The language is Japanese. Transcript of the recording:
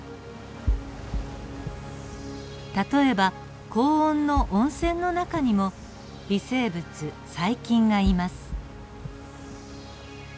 例えば高温の温泉の中にも微生物・細菌がいます。